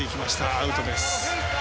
アウトです。